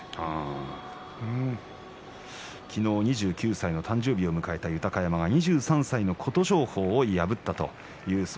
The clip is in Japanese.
昨日２９歳の誕生日を迎えた豊山が２３歳の琴勝峰を破りました。